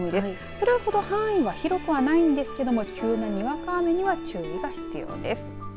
それほど範囲は広くはないんですけれども急な、にわか雨には注意が必要です。